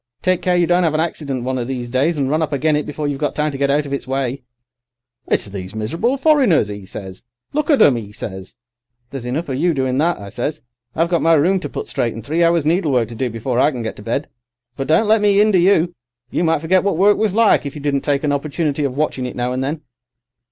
Take care you don't 'ave an accident one of these days and run up agen it before you've got time to get out of its way.' "'It's these miserable foreigners,' 'e says. 'Look at 'em,' 'e says. "'There's enough of you doing that,' I says. 'I've got my room to put straight and three hours needlework to do before I can get to bed. But don't let me 'inder you. You might forget what work was like, if you didn't take an opportunity of watching it now and then.